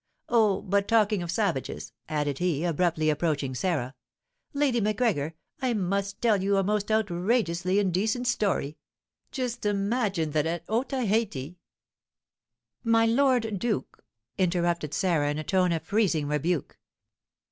Oh, but talking of savages," added he, abruptly approaching Sarah, "Lady Macgregor, I must tell you a most outrageously indecent story. Just imagine that at Otaheite " "My lord duke " interrupted Sarah, in a tone of freezing rebuke.